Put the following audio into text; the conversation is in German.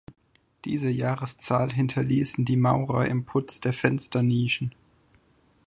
Diese Jahreszahl hinterließen die Maurer im Putz der Fensternischen.